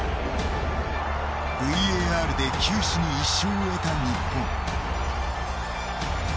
ＶＡＲで九死に一生を得た日本。